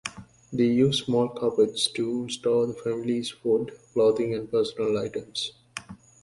They used small cupboards to store the families' food, clothing and personal items.